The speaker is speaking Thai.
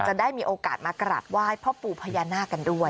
จะได้มีโอกาสมากราบไหว้พ่อปู่พญานาคกันด้วย